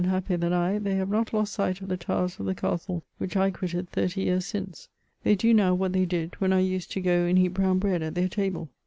9 1 happier than I, they have not lost sight of the towers of the Castle which I quitted thirty years since. They do now what they did When I nsed to go and eat brown bread at their table.